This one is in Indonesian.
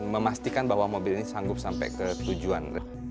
memastikan bahwa mobil ini sanggup sampai ke tujuan